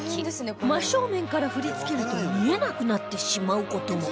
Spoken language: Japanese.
真正面から降りつけると見えなくなってしまう事も